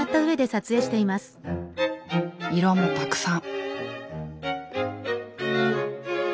色もたくさん。